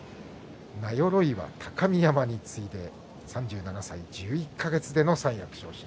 名寄岩、高見山に続いて３７歳１１か月で新三役昇進。